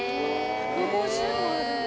１５０もあるんだ。